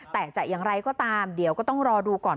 แต่จะอย่างไรก็ตามเดี๋ยวก็ต้องรอดูก่อน